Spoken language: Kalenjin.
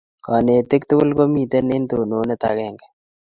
kanetik tugul komiten en tononet akenge